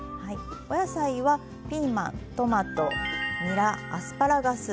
お野菜はピーマントマトにらアスパラガス。